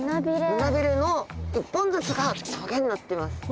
胸びれの１本ずつが棘になってます。